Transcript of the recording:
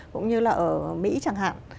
cũng như là ở mỹ chẳng hạn